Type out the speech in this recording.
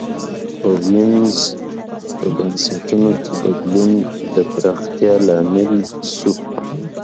په وینز په بنسټونو کې بدلون د پراختیا لامل شو.